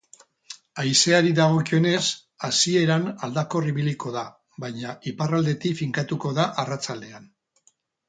Haizeari dagokionez, hasieran aldakor ibiliko da, baina iparraldetik finkatuko da arratsaldean.